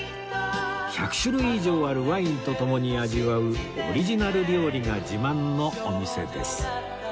１００種類以上あるワインと共に味わうオリジナル料理が自慢のお店です